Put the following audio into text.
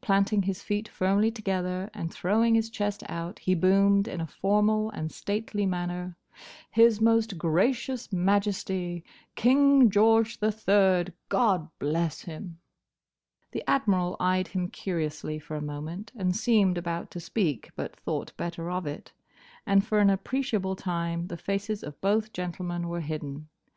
Planting his feet firmly together, and throwing his chest out, he boomed in a formal and stately manner, "His Most Gracious Majesty, King George the Third, God bless him!" The Admiral eyed him curiously for a moment, and seemed about to speak, but thought better of it; and for an appreciable time the faces of both gentlemen were hidden.